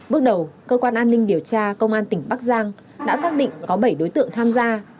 bước đầu cơ quan an ninh điều tra công an tỉnh bắc giang đã xác định có bảy đối tượng tham gia